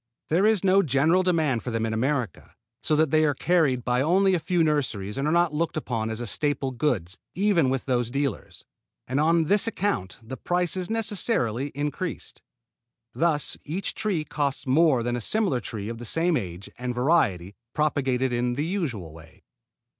There is no general demand for them in America, so that they are carried by only a few nurseries and are not looked upon as staple goods even with those dealers; and on this account the price is necessarily increased. Thus each tree costs more than a similar tree of the same age and variety propagated in the usual way.